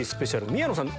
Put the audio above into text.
宮野さん